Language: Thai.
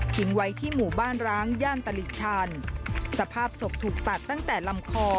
ไว้ที่หมู่บ้านร้างย่านตลิ่งชันสภาพศพถูกตัดตั้งแต่ลำคอ